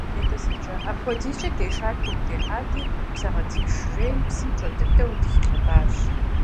АпхуэдизкӀэ дешат, гугъу дехьати, псэгъэтынш жейм псынщӀэ дыдэу дыхилъэфащ.